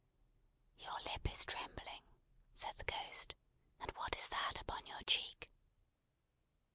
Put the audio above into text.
"Your lip is trembling," said the Ghost. "And what is that upon your cheek?"